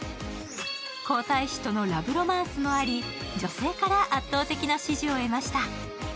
皇太子とのラブロマンスもあり、女性から圧倒的な支持を得ました。